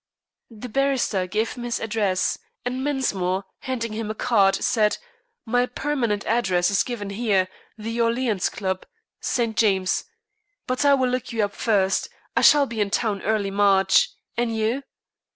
The barrister gave him his address, and Mensmore, handing him a card, said, "My permanent address is given here, the Orleans Club, St. James's. But I will look you up first. I shall be in town early in March. And you?"